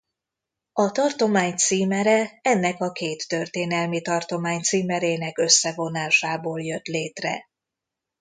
A tartomány címere ennek a két történelmi tartomány címerének összevonásából jött létre.